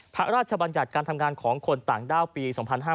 พระราชบัญญัติการทำงานของคนต่างด้าวปี๒๕๕๙